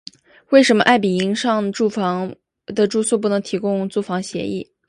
为什么爱迎彼上的住宿不能提供租房协议？